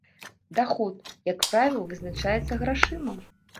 Даход, як правіла, вызначаецца грашыма.